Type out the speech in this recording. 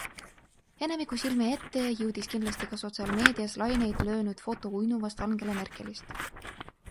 Enamiku silme ette jõudis kindlasti ka sotsiaalmeedias laineid löönud foto uinuvast Angela Merkelist.